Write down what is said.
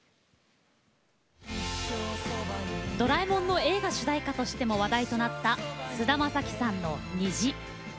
「ドラえもん」の映画主題歌としても話題となった菅田将暉さんの「虹」。